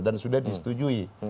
dan sudah disetujui